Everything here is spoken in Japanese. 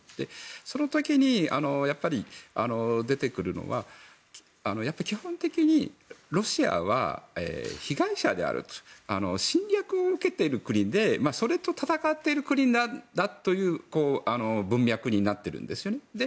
その時に出てくるのがやっぱり基本的にロシアは被害者である侵略を受けている国でそれと戦っている国なんだという文脈になっているんですね。